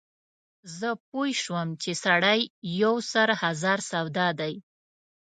زه پوی شوم چې سړی یو سر هزار سودا دی.